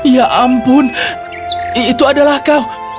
ya ampun itu adalah kau